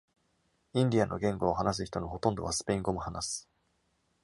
インディアンの言語を話す人のほとんどは、スペイン語も話す。